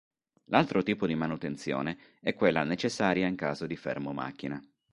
L'altro tipo di manutenzione è quella necessaria in caso di fermo macchina.